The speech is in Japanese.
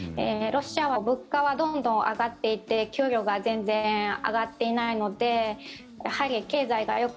ロシアは物価はどんどん上がっていて給料が全然上がっていないので